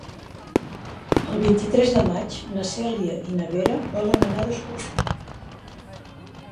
El vint-i-tres de maig na Cèlia i na Vera volen anar d'excursió.